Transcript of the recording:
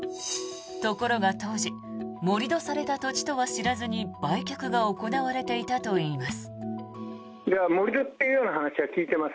ところが当時盛り土された土地とは知らずに売却が行われていたといいます。